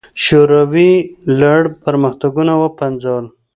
شوروي لړ پرمختګونه وپنځول.